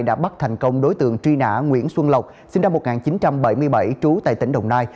đã bắt thành công đối tượng truy nã nguyễn xuân lộc sinh năm một nghìn chín trăm bảy mươi bảy trú tại tỉnh đồng nai